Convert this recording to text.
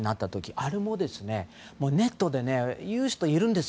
あれもネットで言う人がいるんです。